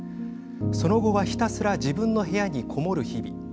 その後はひたすら自分の部屋に籠もる日々。